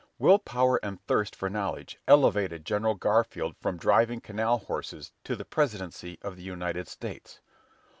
Willpower and thirst for knowledge elevated General Garfield from driving canal horses to the Presidency of the United States.